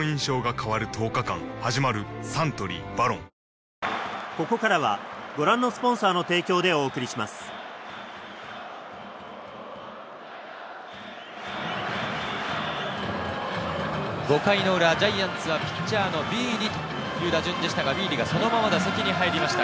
いつもサントリー「ＶＡＲＯＮ」５回の裏、ジャイアンツはピッチャーのビーディという打順でしたが、ビーディがそのまま打席に入りました。